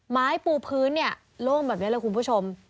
ไม้ปูพื้นเนี่ยโล่งแบบนี้เลยคุณผู้ชม